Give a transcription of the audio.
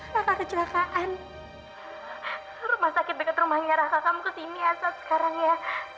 rasa kecelakaan rumah sakit dekat rumahnya raka kamu kesini asap sekarang ya